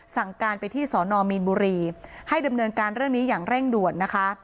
สั่งการไปที่สอนอมีนบุรีให้ดำเนินการเรื่องนี้อย่างเร่งด่วนนะคะ